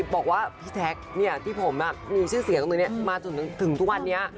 บอกว่าพี่แท็กที่ผมมีชื่อเสียงตรงนี้มาจนถึงทุกวันนี้